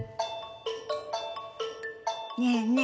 ねえねえ